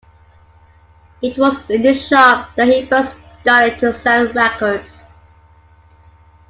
It was in this shop that he first started to sell records.